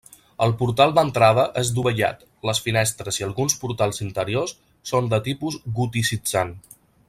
El portal d'entrada és dovellat, les finestres i alguns portals interiors són de tipus goticitzant.